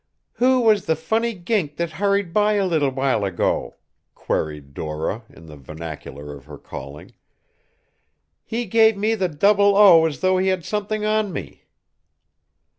"Who was the funny gink that hurried by a little while ago?" queried Dora, in the vernacular of her calling. "He gave me the double O as though he had something on me."